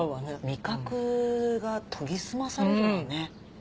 味覚が研ぎ澄まされるわね。